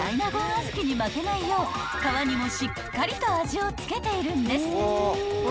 小豆に負けないよう皮にもしっかりと味を付けているんです］